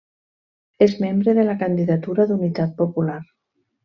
És membre de la Candidatura d'Unitat Popular.